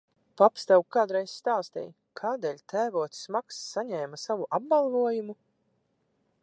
Paps tev kādreiz stāstīja, kādēļ tēvocis Maks saņēma savu apbalvojumu?